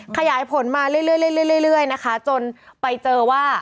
ขยายผลมาเรื่อยนะคะจนไปเจอว่า